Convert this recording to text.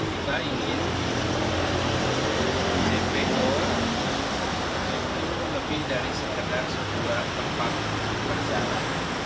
kita ingin jpo lebih dari sekedar sebuah tempat perjalanan